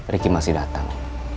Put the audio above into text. ricky masih datang